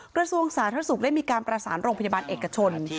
กระทรวงสาธารณสุขได้มีการประสานโรงพยาบาลเอกชน